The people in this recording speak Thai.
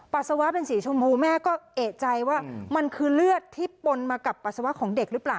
ปัสสาวะเป็นสีชมพูแม่ก็เอกใจว่ามันคือเลือดที่ปนมากับปัสสาวะของเด็กหรือเปล่า